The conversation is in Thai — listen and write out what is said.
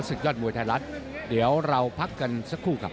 ยอดมวยไทยรัฐเดี๋ยวเราพักกันสักครู่ครับ